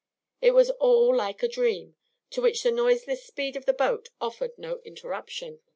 It was all like a dream, to which the noiseless speed of the boat offered no interruption.